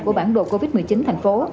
của bản đồ covid một mươi chín thành phố